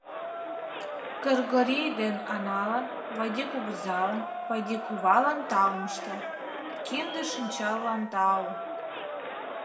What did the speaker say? Кыргорий ден Аналан, Вайди кугызалан, Вайди кувалан таум ыштат: «Кинде-шинчаллан тау!»